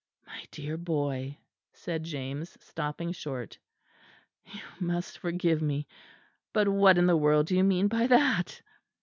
'" "My dear boy," said James, stopping short, "you must forgive me; but what in the world do you mean by that?"